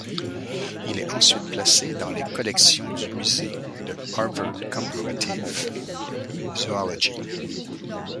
Il est ensuite placé dans les collections du Musée de Harvard Comparative Zoology.